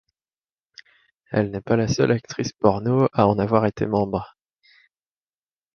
Elle n'est pas la seule actrice porno à en avoir été membre.